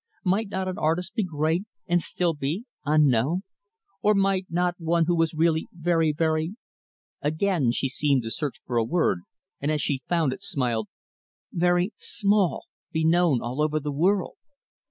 "Might not an artist be great and still be unknown? Or, might not one who was really very, very" again she seemed to search for a word and as she found it, smiled "very small, be known all over the world?